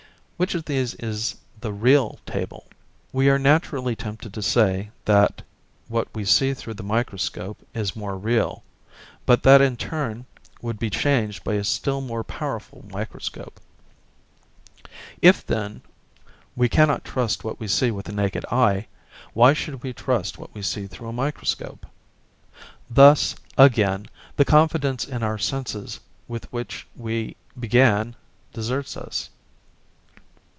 Which of these is the 'real' table? We are naturally tempted to say that what we see through the microscope is more real, but that in turn would be changed by a still more powerful microscope. If, then, we cannot trust what we see with the naked eye, why should we trust what we see through a microscope? Thus, again, the confidence in our senses with which we began deserts us.